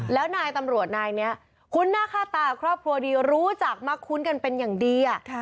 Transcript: แล้วนายตำรวจนายเนี่ยคุ้นหน้าค่าตาครอบครัวดี